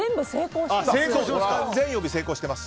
全曜日成功しています。